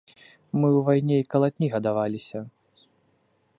Мы ў вайне і калатні гадаваліся.